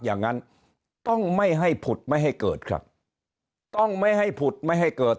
อย่างนั้นต้องไม่ให้ผุดไม่ให้เกิดครับต้องไม่ให้ผุดไม่ให้เกิด